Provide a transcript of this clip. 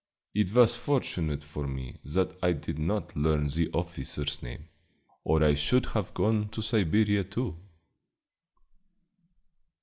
It was fortunate for me that I did not learn the officer's name, or I should have gone to Siberia too."